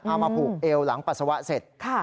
เอามาผูกเอวหลังปัสสาวะเสร็จ